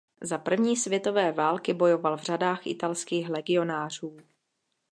Za první světové války bojoval v řadách italských legionářů.